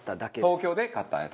東京で買ったやつ。